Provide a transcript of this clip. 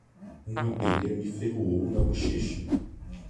Um abelha me ferroou na bochecha.